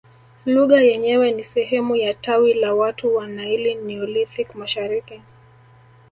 Lugha yenyewe ni sehemu ya tawi la watu wa Naili Neolithic mashariki